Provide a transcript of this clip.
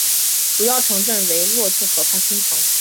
主要城镇为洛特河畔新城。